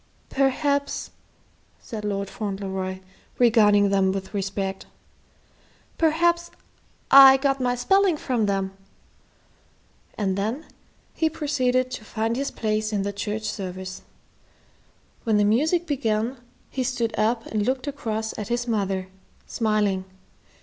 "Perhaps," said Lord Fauntleroy, regarding them with respect, "perhaps I got my spelling from them." And then he proceeded to find his place in the church service. When the music began, he stood up and looked across at his mother, smiling.